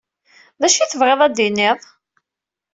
D acu ay tebɣiḍ ad d-tiniḍ?